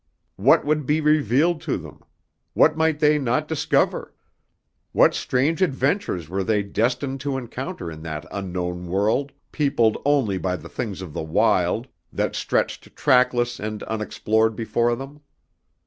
What would be revealed to them? What might they not discover? What strange adventures were they destined to encounter in that Unknown World, peopled only by the things of the wild, that stretched trackless and unexplored before them?